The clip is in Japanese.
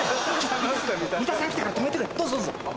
ミタさん来たから止めてくれどうぞどうぞ。